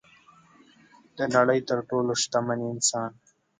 د نړۍ تر ټولو شتمن انسان